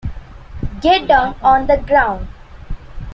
Get down on the ground.